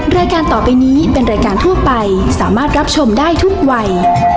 รายการต่อไปนี้เป็นรายการทั่วไปสามารถรับชมได้ทุกวัย